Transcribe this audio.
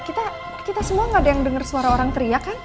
kita semua gak ada yang denger suara orang teriak kan